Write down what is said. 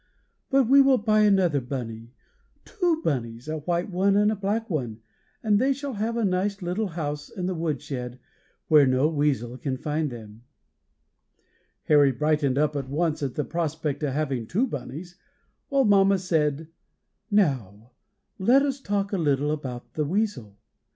But we will buy another Bunny, two Bunnies, a white one and a black one, and they shall have a nice little house in the wood shed, where no weasel can find them." [Illustration: WEASEL AND FROGS THE INTERRUPTED CONCERT.] Harry brightened up at once at the prospect of having two Bunnies, while mamma said: "Now let us talk a little about the weasel.